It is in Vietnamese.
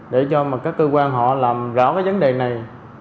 để cho các cơ quan họ làm rõ cái vấn đề này